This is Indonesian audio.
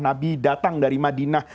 nabi datang dari madinah